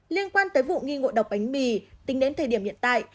liên quan tới vụ nghi ngộ độc bánh mì tính đến thời điểm hiện tại